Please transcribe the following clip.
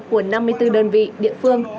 của năm mươi bốn đơn vị địa phương